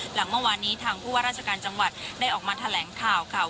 หลังเมื่อวานนี้ทางผู้ว่าราชการจังหวัดได้ออกมาแถลงข่าวค่ะ